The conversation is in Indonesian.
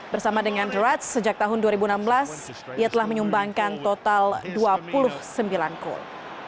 bersama dengan druds sejak tahun dua ribu enam belas ia telah menyumbangkan total dua puluh sembilan gol